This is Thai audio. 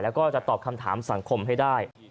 แล้วก็จะตอบคำถามสังคมให้ได้